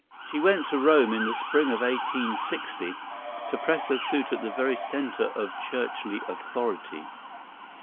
She went to Rome in the spring of 1860, to press her suit at the very centre of churchly authority.